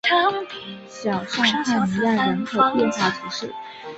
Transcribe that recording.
小尚帕尼亚人口变化图示